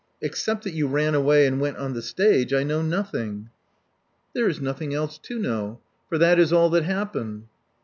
Except that you ran away and went on the stage, I know nothing. There is nothing else to know; for that is all that happened."